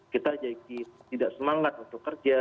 kita jadi tidak semangat untuk kerja